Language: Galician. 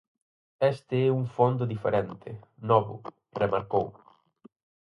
"Este é un Fondo diferente, novo", remarcou.